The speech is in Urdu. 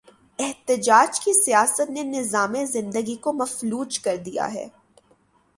احتجاج کی سیاست نے نظام زندگی کو مفلوج کر دیا ہے۔